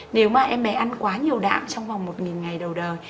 nếu mà em bé ăn quá nhiều đạn trong vòng một nghìn ngày đầu đời